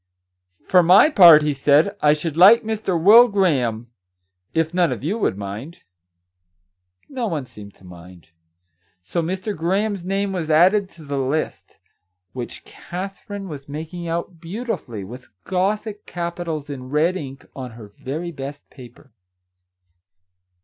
" For my part," he said, " I should like Mr. Will Graham, if none of you would mind !" No one seemed to mind, so Mr. Graham's name was added to the list, which Katherine 80 Our Little Canadian Cousin was making out beautifully, with Gothic capi tals in red ink, on her very best paper.